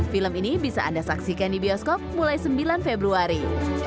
film ini bisa anda saksikan di bioskop mulai sembilan februari